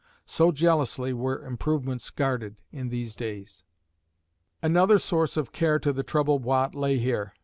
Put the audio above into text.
So jealously were improvements guarded in these days. Another source of care to the troubled Watt lay here.